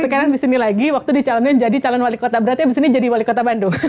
sekarang di sini lagi waktu dicalonin jadi calon wali kota berarti abis ini jadi wali kota bandung